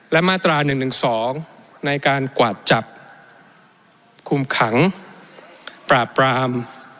และมาตรา๑๑๒ในการกวาดจับคุมขังปราบปราม